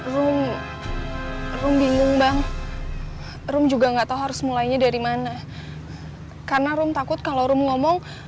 rom rom bingung bang rom juga nggak tahu harus mulainya dari mana karena rom takut kalau rom ngomong